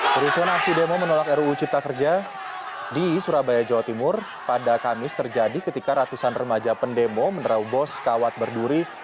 kerusuhan aksi demo menolak ruu cipta kerja di surabaya jawa timur pada kamis terjadi ketika ratusan remaja pendemo menerau bos kawat berduri